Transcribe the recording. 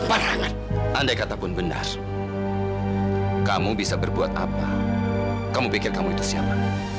anda katapun benar kamu bisa berbuat apa kamu pikir kamu itu siapa